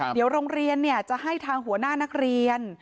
เดี๋ยวโรงเรียนจะให้ทางหัวหน้านักเรียน